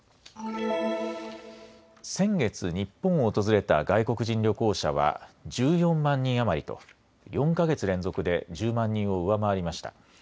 先月、日本を訪れた外国人旅行者は１４万人余りと、４か月連続で１０万人を上回りました。